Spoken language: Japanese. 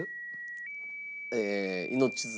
命綱？